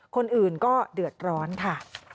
คนอื่นก็เดือดร้อนค่ะ